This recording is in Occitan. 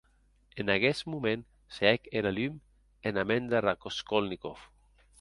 En aguest moment se hec era lum ena ment de Raskolnikov.